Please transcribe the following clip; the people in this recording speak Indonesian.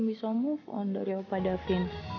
gue bisa move on dari bapak davin